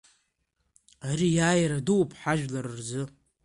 Ари иааира дууп ҳажәлар рзы.